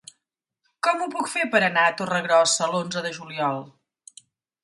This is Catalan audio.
Com ho puc fer per anar a Torregrossa l'onze de juliol?